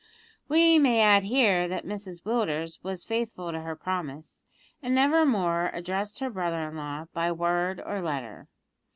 We may add here that Mrs Willders was faithful to her promise, and never more addressed her brother in law by word or letter.